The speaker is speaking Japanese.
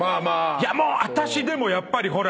もう私でもやっぱりほらっ。